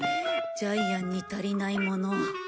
ジャイアンに足りないもの。